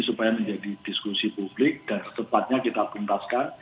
supaya menjadi diskusi publik dan setepatnya kita kentaskan